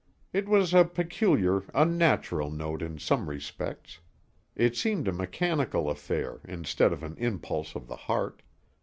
It was a peculiar, unnatural note in some respects. It seemed a mechanical affair, instead of an impulse of the heart.